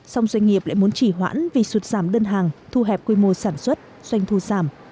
song doanh nghiệp lại muốn chỉ hoãn vì sụt giảm đơn hàng thu hẹp quy mô sản xuất doanh thu giảm